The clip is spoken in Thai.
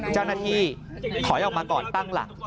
เจ้าหน้าที่ถอยออกมาก่อนตั้งหลัก